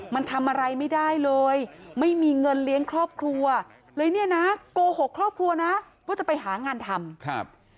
มันทำอะไรไม่ได้เลยไม่มีเงินเลี้ยงครอบครัวเลยเนี่ยนะโกหกครอบครัวนะว่าจะไปหางานทำครับ